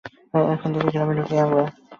এখান দিয়ে গ্রামে ঢুকি আমরা।